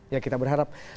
ya kita berharap